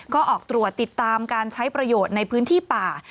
ก็ออกตรวจติดตามการใช้ประโยชน์ในพื้นที่ป่า